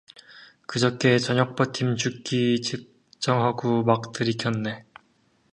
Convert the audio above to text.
그저께 저녁버텀 죽기 작정허구 막 들이켰네.